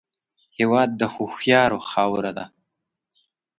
هېواد د هوښیارو خاوره ده